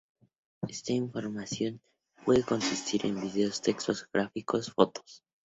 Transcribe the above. Esta información puede consistir en videos, textos, gráficos, fotos...